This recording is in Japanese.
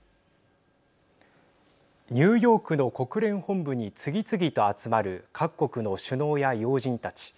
ニューヨークの国連本部に次々と集まる各国の首脳や要人たち。